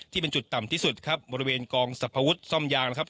ที่เป็นจุดต่ำที่สุดครับบริเวณกองสรรพวุฒิซ่อมยางนะครับ